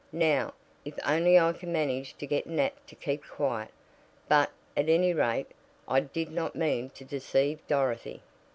Now, if only I can manage to get Nat to keep quiet. But, at any rate, I did not mean to deceive Dorothy."